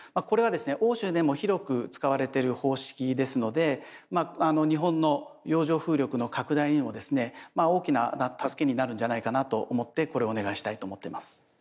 これはですね欧州でも広く使われてる方式ですのでまあ日本の洋上風力の拡大にもですね大きな助けになるんじゃないかなと思ってこれをお願いしたいと思ってます。